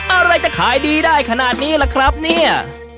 อะไรจะขายดีได้ขนาดนี้ล่ะครับเนี่ย